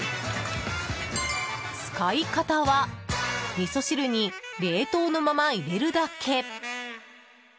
使い方は、みそ汁に冷凍のまま入れるだけ。